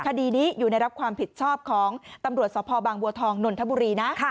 คดีนี้อยู่ในรับความผิดชอบของตำรวจสพบางบัวทองนนทบุรีนะ